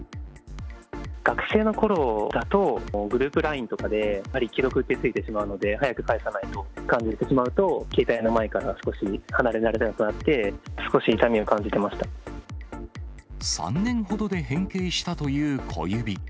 学生のころだと、グループＬＩＮＥとかでやっぱり既読ってついてしまうので、早く返さないとと感じてしまうと、携帯の前から離れられなくなって、３年ほどで変形したという小指。